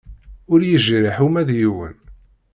Ur yejriḥ uma d yiwen.